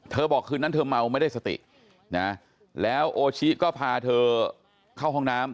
บอกคืนนั้นเธอเมาไม่ได้สตินะแล้วโอชิก็พาเธอเข้าห้องน้ำ